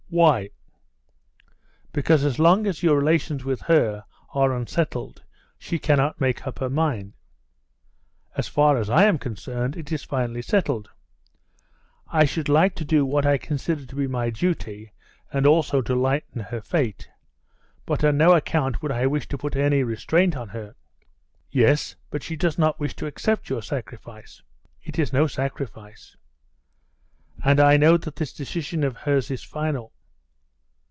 "Why?" "Because as long as your relations with her are unsettled she cannot make up her mind." "As far as I am concerned, it is finally settled. I should like to do what I consider to be my duty and also to lighten her fate, but on no account would I wish to put any restraint on her." "Yes, but she does not wish to accept your sacrifice." "It is no sacrifice." "And I know that this decision of hers is final."